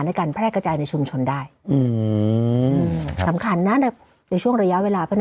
ในการแพร่กระจายในชุมชนได้อืมสำคัญนะในช่วงระยะเวลาเพราะฉะนั้น